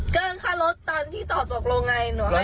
เกินค่ารถตามที่ตอบท๑๙๑๘หนูให้หนู